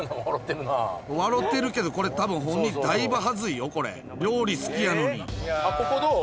わろてるけど、これ、たぶん本人、だいぶはずいよ、これ、料理好きここどう？